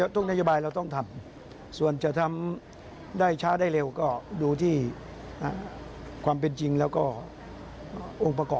นโยบายเราต้องทำส่วนจะทำได้ช้าได้เร็วก็ดูที่ความเป็นจริงแล้วก็องค์ประกอบ